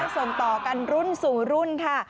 ส่งต่อกันรุ่นสู่รุ่นค่ะ